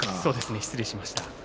失礼しました。